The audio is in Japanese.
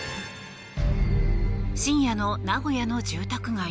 深夜の名古屋の住宅街。